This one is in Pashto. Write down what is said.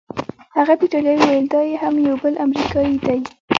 هغه په ایټالوي وویل: دا یې هم یو بل امریکايي دی.